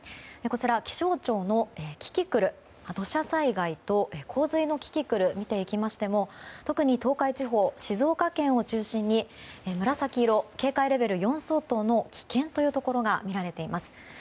気象庁の土砂災害と洪水のキキクルを見ていきましても特に東海地方静岡県を中心に紫色警戒レベル４相当の、危険というところが見られています。